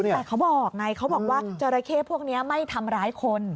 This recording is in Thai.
แต่เขาบอกไงเขาบอกว่าจราเข้พวกนี้ไม่ทำร้ายคน